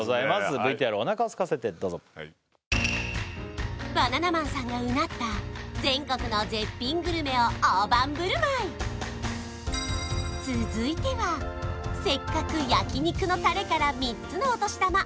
ＶＴＲおなかをすかせてどうぞバナナマンさんが唸った全国の絶品グルメを大盤振る舞い続いてはせっかく焼肉のタレから３つのお年玉